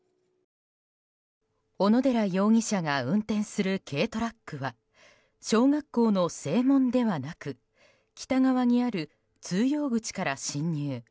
小野寺容疑者が運転する軽トラックは小学校の正門ではなく北側にある通用口から進入。